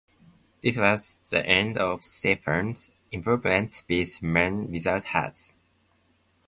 This was the end of Stefan's involvement with Men Without Hats.